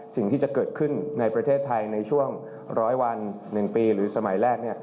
สิ่งที่จะเกิดขึ้นในประเทศไทยในช่วง๑๐๐วัน๑ปีหรือสมัยแรก